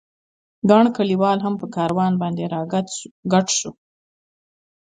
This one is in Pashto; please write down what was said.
ګڼ کلیوال هم په کاروان باندې را ګډ شول.